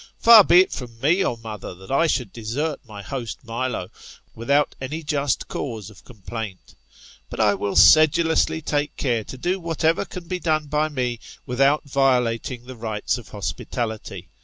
Far be it from me, O mother, that I should desert my host Milo, without any just cause of complaint. But I would sedulously take care to do whatever can be done by me without violating the rites of hos pitality.